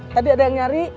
tadi ada yang nyari